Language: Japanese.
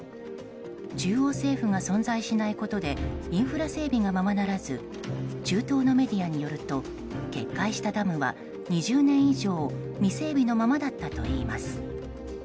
中央政府が存在しないことでインフラ整備がままならず中東のメディアによると決壊したダムは２０年以上未整備のままだったといいます。